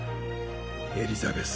エリザベス。